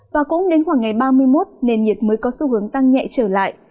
và cũng đến khoảng ngày ba mươi một nền nhiệt mới có xu hướng tăng nhẹ trở lại